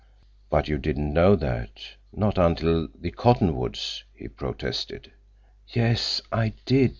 "But you didn't know that—not until—the cottonwoods!" he protested. "Yes, I did.